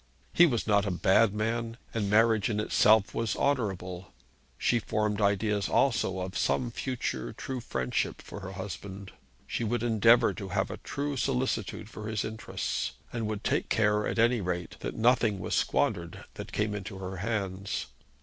He was not a bad man, and marriage in itself was honourable. She formed ideas also of some future true friendship for her husband. She would endeavour to have a true solicitude for his interests, and would take care, at any rate, that nothing was squandered that came into her hands.